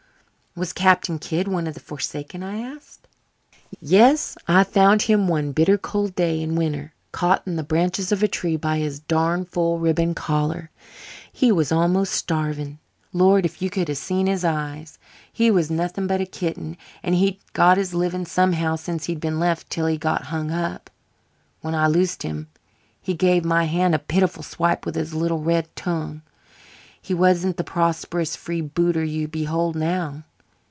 "Was Captain Kidd one of the forsaken?" I asked. "Yes. I found him one bitter cold day in winter caught in the branches of a tree by his darn fool ribbon collar. He was almost starving. Lord, if you could have seen his eyes! He was nothing but a kitten, and he'd got his living somehow since he'd been left till he got hung up. When I loosed him he gave my hand a pitiful swipe with his little red tongue. He wasn't the prosperous free booter you behold now.